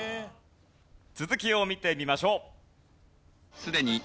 続きを見てみましょう。